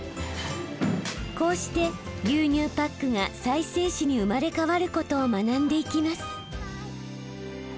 こうして牛乳パックが再生紙に生まれ変わることを学んでいきます。